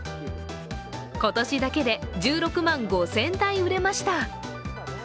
今年だけで１６万５０００台売れました。